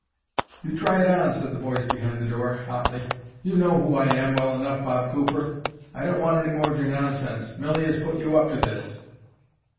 "You try it on," said the voice behind the door, hotly. "You know who I am well enough, Bob Cooper. I don't want any more of your nonsense. Milly has put you up to this!"